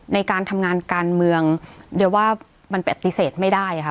ในการทำงานการเมืองเดี๋ยวว่ามันปฏิเสธไม่ได้ค่ะ